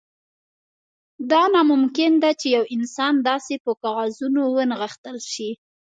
دا ناممکن ده چې یو انسان داسې په کاغذونو ونغښتل شي